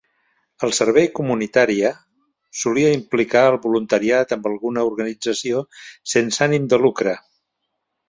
El servei comunitària solia implicar el voluntariat amb alguna organització sense ànim de lucre.